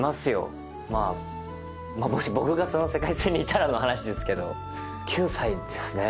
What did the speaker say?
もし僕がその世界線にいたらの話ですけど９歳ですね